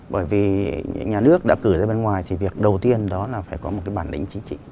bởi vì nhà nước đã cử ra bên ngoài thì việc đầu tiên đó là phải có một cái bản lĩnh chính trị